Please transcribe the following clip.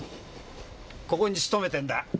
ここに勤めてるんだ。